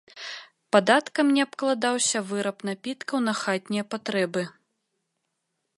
Падаткам не абкладаўся выраб напіткаў на хатнія патрэбы.